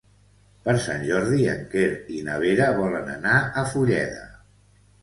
Per Sant Jordi en Quer i na Vera volen anar a Fulleda.